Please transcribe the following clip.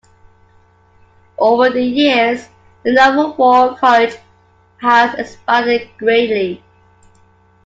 Over the years, the Naval War College has expanded greatly.